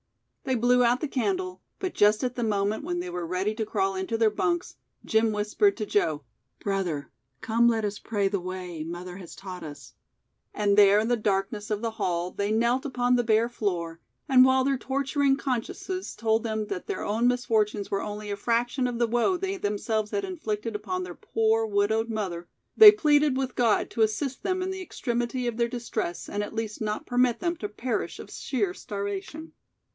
They blew out the candle, but just at the moment when they were ready to crawl into their bunks, Jim whispered to Joe: "Brother, come let us pray the way, mother has taught us." And there in the darkness of the hall they knelt upon the bare floor, and while their torturing consciences told them that their own misfortunes were only a fraction of the woe they themselves had inflicted upon their poor, widowed mother, they pleaded with God to assist them in the extremity of their distress and at least not permit them to perish of sheer starvation.